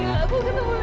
saya bukan livia mak